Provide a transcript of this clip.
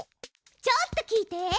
ちょっと聞いて。